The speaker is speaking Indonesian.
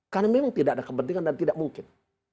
karena memang tidak ada kepentingan dan tidak mungkin